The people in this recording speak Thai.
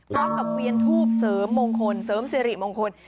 พร้อมกับเวียนทูบเสริมงคลเสริมเสริมงคล